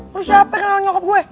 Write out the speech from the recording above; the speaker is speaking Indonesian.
lo siapa yang kenal nyokap gue